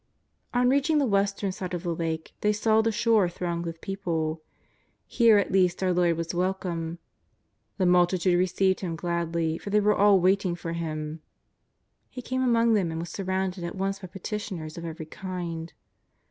On reaching the western side of the Lake, they saw the shore thronged with people. Here at least our Lord was welcome. " The multitude received Him gladly, for they were all waiting for Him." He came among them and was surrounded at once by petitioners of every kind.